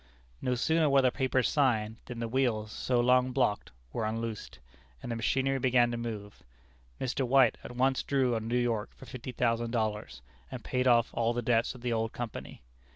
No sooner were the papers signed, than the wheels, so long blocked, were unloosed, and the machinery began to move. Mr. White at once drew on New York for fifty thousand dollars, and paid off all the debts of the old company.